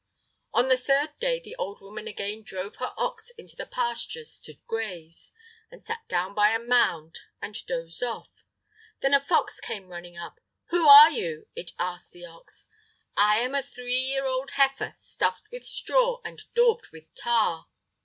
On the third day the old woman again drove her ox into the pastures to graze, and sat down by a mound and dozed off. Then a fox came running up. "Who are you?" it asked the ox. "I'm a three year old heifer, stuffed with straw and daubed with tar."